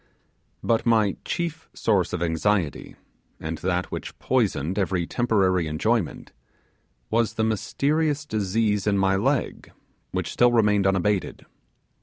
But my chief source of anxiety, and that which poisoned every temporary enjoyment, was the mysterious disease in my leg, which still remained unabated.